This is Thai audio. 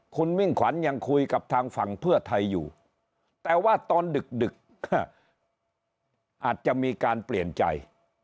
คุณมิ่งขวัญยังคุยกับทางฝั่งเพื่อไทยอยู่แต่ว่าตอนดึกอาจจะมีการเปลี่ยนใจ